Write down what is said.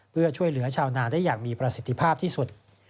เพื่อช่วยเหลือชาวนาได้อย่างมีประสิทธิภาพที่สุด